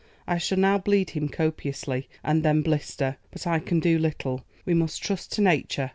I shall now bleed him copiously, and then blister; but I can do little. We must trust to nature.